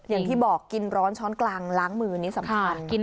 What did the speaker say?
อย่างที่บอกกินร้อนช้อนกลางล้างมือนี่สำคัญ